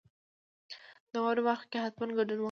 د واورئ برخه کې حتما ګډون وکړئ.